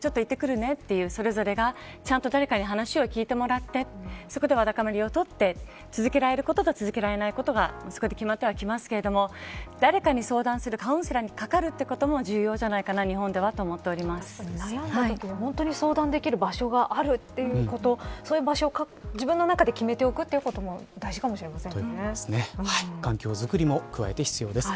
恥ずかしいことではなくてちょっと行ってくるねとそれぞれがちゃんと誰かに話を聞いてもらってそこで、わだかまりを取って続けられることと、続けられないことがそこで決まってはきますが誰かに相談するカウンセラーにかかるということも日本では重要じゃないかと悩んだときに相談できる場所があるということそういう場所を自分の中で決めておくことも大事かもしれませんね。